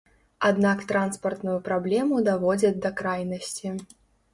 Аднак транспартную праблему даводзяць да крайнасці.